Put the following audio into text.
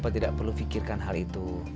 bapak tidak perlu pikirkan hal itu